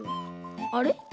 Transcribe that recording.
あれ？